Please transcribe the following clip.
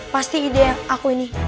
pasti ide aku ini